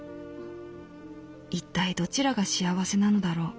いったいどちらが幸せなのだろう」。